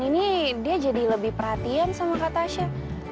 ini dia jadi lebih perhatian sama kak tasya